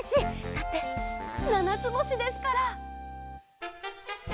だってななつぼしですから。